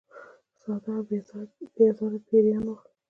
ساده او بې آزاره پیران ول.